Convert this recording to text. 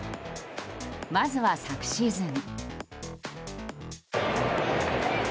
まずは昨シーズン。